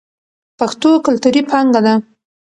پښتو کلتوري پانګه ده.